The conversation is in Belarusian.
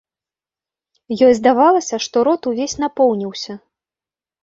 Ёй здавалася, што рот увесь напоўніўся.